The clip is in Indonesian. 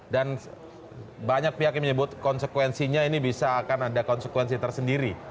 dan banyak pihak yang menyebut konsekuensinya ini bisa akan ada konsekuensi tersendiri